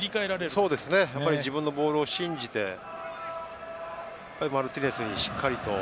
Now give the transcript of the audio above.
自分のボールを信じてマルティネスにしっかりと。